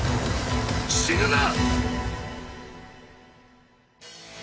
死ぬな！